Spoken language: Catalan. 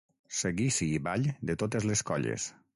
Seguici i ball de totes les colles.